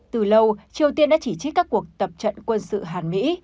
từ lâu triều tiên đã chỉ trích các cuộc tập trận quân sự hàn mỹ